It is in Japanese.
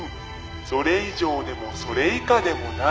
「“それ以上でもそれ以下でもない”」